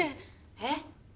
えっ？